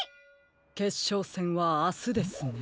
けっしょうせんはあすですね。